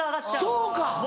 そうか！